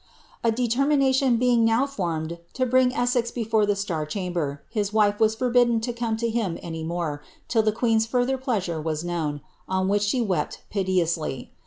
A detennination being now formed to bring Essex before the Star Chamber, his wife was forbidden to come to him any more, tUl the queen's further pleasure were known, on which she wept piteously.